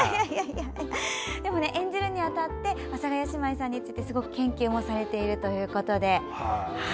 演じるにあたって阿佐ヶ谷姉妹さんについて研究もされているそうで。